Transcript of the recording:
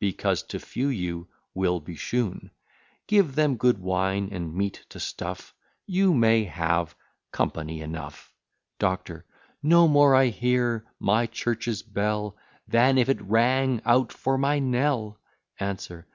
Because to few you will be shewn. Give them good wine, and meat to stuff, You may have company enough. DOCTOR. No more I hear my church's bell, Than if it rang out for my knell. ANSWER.